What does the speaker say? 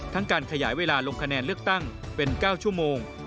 การขยายเวลาลงคะแนนเลือกตั้งเป็น๙ชั่วโมง